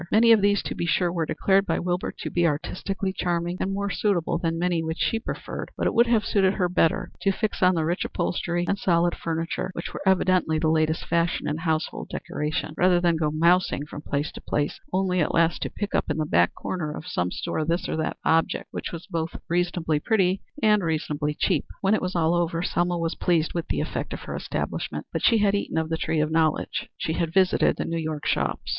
Many of these, to be sure, were declared by Wilbur to be artistically charming and more suitable than many which she preferred, but it would have suited her better to fix on the rich upholstery and solid furniture, which were evidently the latest fashion in household decoration, rather than go mousing from place to place, only at last to pick up in the back corner of some store this or that object which was both reasonably pretty and reasonably cheap. When it was all over Selma was pleased with the effect of her establishment, but she had eaten of the tree of knowledge. She had visited the New York shops.